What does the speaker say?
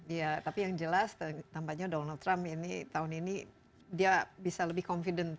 iya tapi yang jelas tampaknya donald trump ini tahun ini dia bisa lebih confident